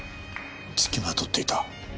付きまとっていた。